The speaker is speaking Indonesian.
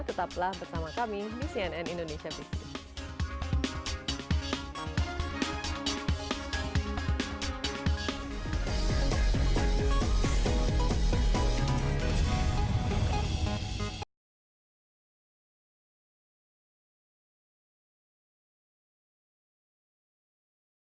tetaplah bersama kami di cnn indonesia business